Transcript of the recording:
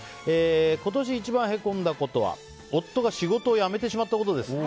今年一番へこんだことは夫が仕事を辞めてしまったことです。